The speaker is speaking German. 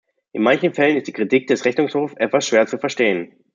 In manchen Fällen ist die Kritik des Rechnungshofes etwas schwer zu verstehen.